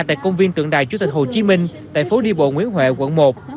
tại công viên tượng đài chủ tịch hồ chí minh tại phố đi bộ nguyễn huệ quận một